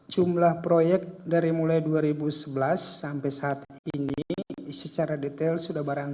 jumlah proyek dari mulai dua ribu sebelas sampai saat ini secara detail sudah barang